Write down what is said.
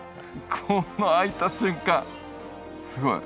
この開いた瞬間すごい！